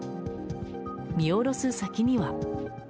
見下ろす先には。